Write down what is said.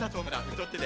とってね。